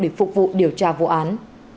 để phục vụ điều tra vụ án